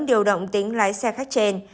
không tính lái xe khách trên